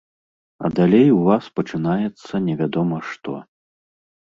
А далей у вас пачынаецца невядома што.